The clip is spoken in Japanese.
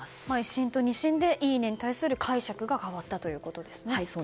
１審と２審でいいねに対する解釈が変わったということですね。